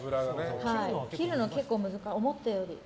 切るの結構思ったより。